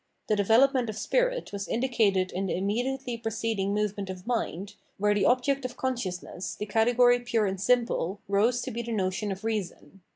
The development of spirit was indicated in the immediately preceding movement of mind, where the object of consciousness, the category pure and simple, rose to be the notion of reason.